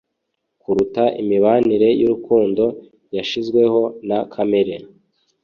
kuruta imibanire y'urukundo yashizweho na kamere